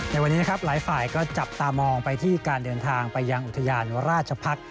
ในวันนี้นะครับหลายฝ่ายก็จับตามองไปที่การเดินทางไปยังอุทยานราชพักษ์